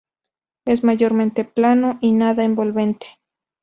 Es mayormente plano y nada envolvente".